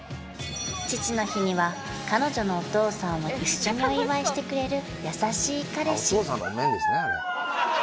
父の日には彼女のお父さんを一緒にお祝いしてくれる優しい彼氏フー！